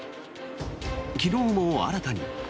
昨日も新たに。